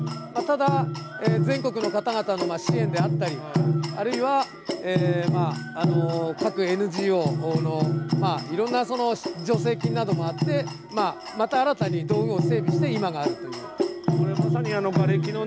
ただ、全国の方々の支援であったりあるいは、各ＮＧＯのいろんな助成金などもあってまた新たに道具を整備して今があると。